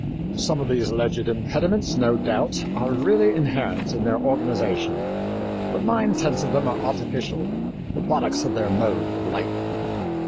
Some of these alleged impediments, no doubt, are really inherent in their organization, but nine tenths of them are artificial the products of their mode of life.